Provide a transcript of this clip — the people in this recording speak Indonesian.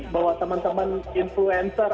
bahwa teman teman influencer